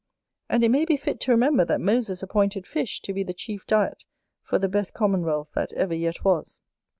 And it may be fit to remember that Moses appointed fish to be the chief diet for the best commonwealth that ever yet was.